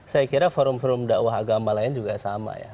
saya kira forum forum dakwah agama lain juga sama ya